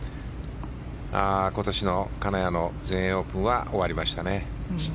今年の金谷の全英オープンは終わりましたね。